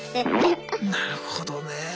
なるほどね。